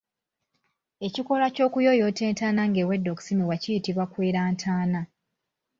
Ekikolwa ky’okuyooyoota entaana nga ewedde okusimibwa kiyitibwa kwera ntaana.